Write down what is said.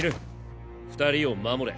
二人を守れ。